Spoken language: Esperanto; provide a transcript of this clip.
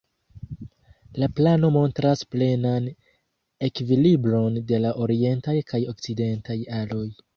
La plano montras plenan ekvilibron de la orientaj kaj okcidentaj aloj.